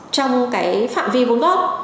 trong cái phạm vi vốn góp